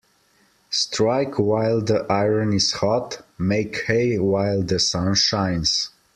Strike while the iron is hot Make hay while the sun shines.